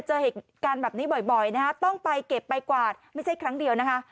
จะเห็นการแบบนี้บ่อยบ่อยนะคะต้องไปเก็บไปกว่าไม่ใช่ครั้งเดียวนะคะ